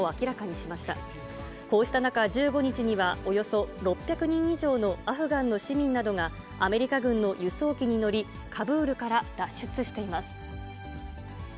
こうした中、１５日にはおよそ６００人以上のアフガンの市民などがアメリカ軍の輸送機に乗り、カブールから脱出しています。